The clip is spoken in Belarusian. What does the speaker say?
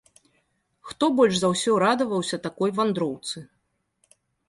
Хто больш за ўсіх радаваўся такой вандроўцы?